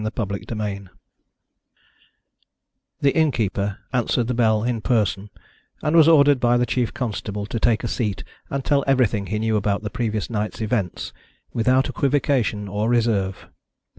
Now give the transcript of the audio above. CHAPTER VII The innkeeper answered the bell in person, and was ordered by the chief constable to take a seat and tell everything he knew about the previous night's events, without equivocation or reserve.